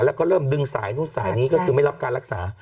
แล้วก็เริ่มดึงสายนู่นสายนี้ก็คือไม่รับการรักษา